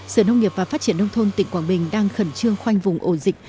sở nông nghiệp và phát triển nông thôn tỉnh quảng bình đang khẩn trương khoanh vùng ổ dịch